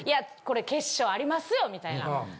これ決勝ありますよみたいな。